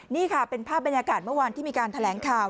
นี่ค่ะเป็นภาพบรรยากาศเมื่อวานที่มีการแถลงข่าว